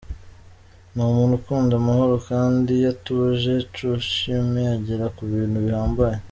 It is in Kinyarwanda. Ni umuntu ukunda amahoro kandi iyo atuje Joachim agera ku bintu bihambaye.